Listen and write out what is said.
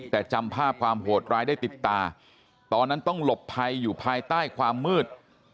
แต่จำภาพความโหดร้ายได้ติดตาตอนนั้นต้องหลบภัยอยู่ภายใต้ความมืด